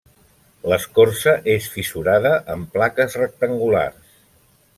L'escorça és fissurada en plaques rectangulars.